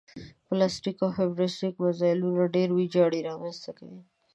بلاستیک او هیپرسونیک مزایلونه ډېره ویجاړي رامنځته کوي